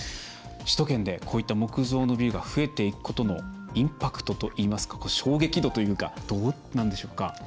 首都圏で、こういった木造のビルが増えていくことのインパクトといいますか衝撃度というかどうなんでしょうか？